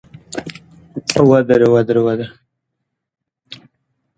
که تاسو له دوستانو سره سونا وکړئ، خوند به زیات شي.